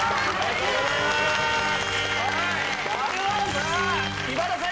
さあ今田さん